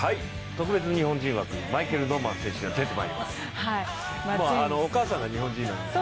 特別日本人枠、マイケル・ノーマン選手が出てきます。